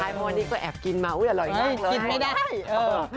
คลายมัวนี้ก็แอบกินมาอุ๊ยอร่อยแยะ